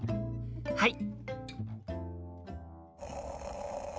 はい！